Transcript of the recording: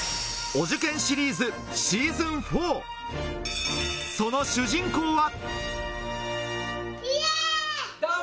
お受験シリーズシーズン４、その主人公は。